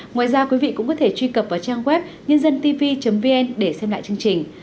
ngoài ra quý vị cũng có thể truy cập vào trang web nhândântv vn để xem lại chương trình